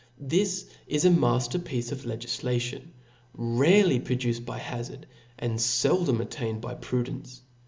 This is a matter pi?cc of legidation, rarely produced by hazard, and fe^ ' dom attained by prudence.